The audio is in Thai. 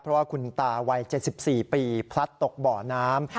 เพราะว่าคุณตาวัย๗๔ปีพลัดตกบ่อน้ำ